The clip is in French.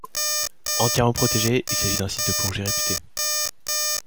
Entièrement protégé, il s'agit d'un site de plongée réputé.